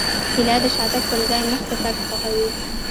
هیلۍ د شاتګ پر ځای مخکې تګ خوښوي